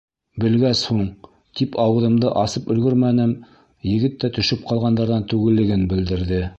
Белгәс һуң, тип ауыҙымды асып өлгөрмәнем, егет тә төшөп ҡалғандарҙан түгеллеген белдерҙе.